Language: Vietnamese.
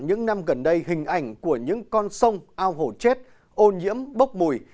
những năm gần đây hình ảnh của những con sông ao hồ chết ô nhiễm bốc mùi